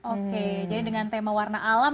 oke jadi dengan tema warna alam